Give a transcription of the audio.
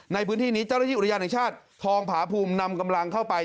ในพื้นที่นี้เจ้าหน้าที่อุทยานแห่งชาติทองผาภูมินำกำลังเข้าไป